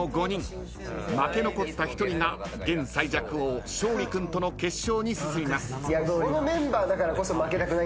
負け残った１人が現最弱王勝利君との決勝に進みます。